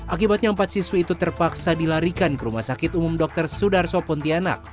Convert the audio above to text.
akibatnya empat siswi itu terpaksa dilarikan ke rumah sakit umum dr sudarso pontianak